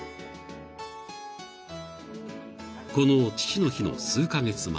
［この父の日の数カ月前］